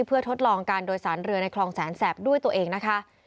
เพื่อทดลองการโดยสารเรือในคลองแสนแสบด้วยตัวเองนะคะ